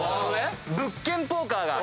物件ポーカーが。